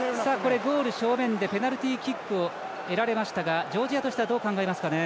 ペナルティキックを得られましたがジョージアとしてはどう考えますかね。